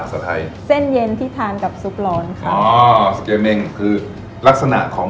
เส้นเย็นที่ทานกับซุปร้อน